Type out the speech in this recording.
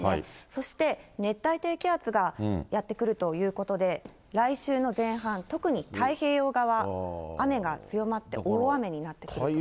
そして熱帯低気圧がやって来るということで、来週の前半、特に太平洋側、雨が強まって、大雨になってくる。